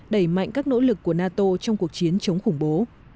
đẩy mạnh các nỗ lực của nato trong cuộc chiến chống khủng bố